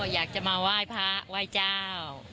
อยากจะมาไหว้พระไหว้เจ้า